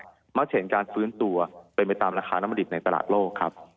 ว่าราคาน้ำตาลมักเช็นการฟื้นตัวเป็นไปตามราคาน้ำบดิบในแต่ละโลกครับ